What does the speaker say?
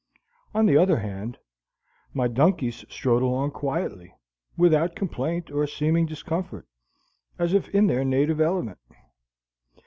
On the other hand, my donkeys strode along quietly, without complaint or seeming discomfort, as if in their native element.